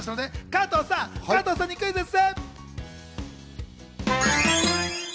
加藤さんにクイズッス！